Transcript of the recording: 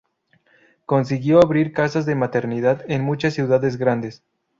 Consiguió abrir casas de maternidad en muchas ciudades grandes.